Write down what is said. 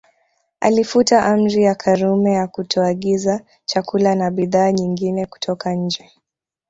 Alifuta Amri ya Karume ya kutoagiza chakula na bidhaa nyingine kutoka nje